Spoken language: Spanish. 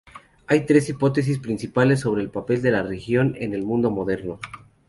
Hay tres hipótesis principales sobre el papel de la religión en el mundo moderno.